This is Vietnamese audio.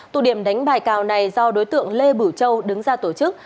tụ điểm đánh bài cào này do đối tượng lê bửu châu đứng ra tổ chức